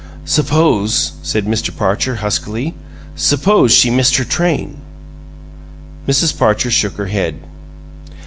"Suppose," said Mr. Patcher, huskily "suppose she missed her train." Mrs. Parcher shook her head.